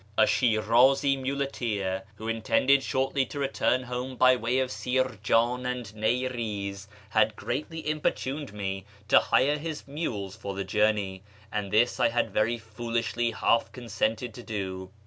A Shinizi muleteer, who intended shortly to return home by way of Sirjan and Nmz, had greatly importuned me to hire his mules for the journey, and this I had very foolishly half con sented to do.